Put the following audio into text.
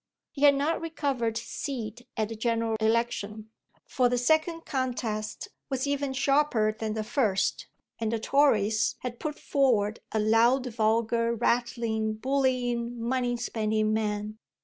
He had not recovered his seat at the general election, for the second contest was even sharper than the first and the Tories had put forward a loud, vulgar, rattling, bullying, money spending man.